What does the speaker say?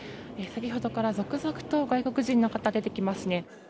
先ほどから続々と外国人の方、出てきますね。